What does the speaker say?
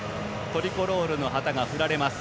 トリコロールの旗が振られます。